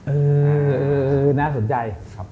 เออน่าสนใจ